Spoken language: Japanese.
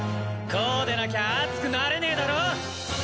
こうでなきゃ熱くなれねえだろ！